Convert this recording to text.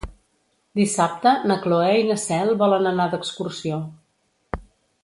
Dissabte na Cloè i na Cel volen anar d'excursió.